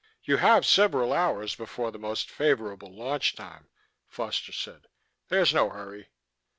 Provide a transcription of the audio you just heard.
"You have several hours before the most favorable launch time," Foster said. "There's no hurry."